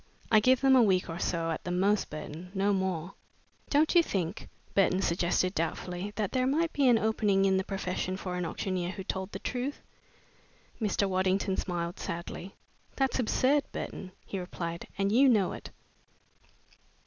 I give them a week or so at the most, Burton no more." "Don't you think," Burton suggested doubtfully, "that there might be an opening in the profession for an auctioneer who told the truth?" Mr. Waddington smiled sadly. "That's absurd, Burton," he replied, "and you know it."